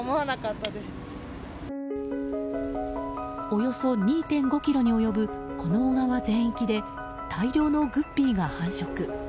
およそ２．５ｋｍに及ぶこの小川全域で大量のグッピーが繁殖。